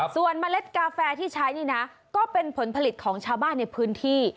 ส่วนเมล็ดกาแฟที่ใช้นี่นะก็เป็นผลผลิตของชาวบ้านในพื้นที่